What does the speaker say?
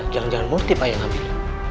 jangan jangan murti pak yang ngambil